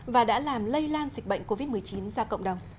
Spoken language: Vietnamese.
và đã làm lây lan dịch bệnh covid một mươi chín ra cộng đồng